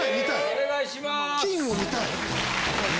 お願いします。